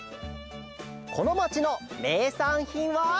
このまちのめいさんひんは？